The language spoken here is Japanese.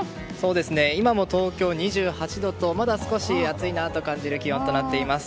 今も東京、２８度とまだ少し暑いなと感じる気温となっています。